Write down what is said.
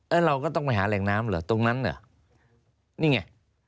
แล้วเราก็ต้องไปหาแหล่งน้ำเหรอตรงนั้นเหรอนี่ไง